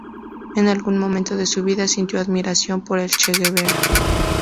En algún momento de su vida, sintió admiración por el Che Guevara.